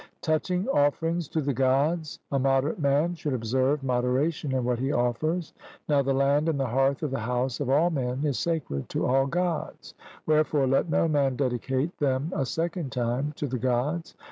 Touching offerings to the Gods, a moderate man should observe moderation in what he offers. Now the land and the hearth of the house of all men is sacred to all Gods; wherefore let no man dedicate them a second time to the Gods.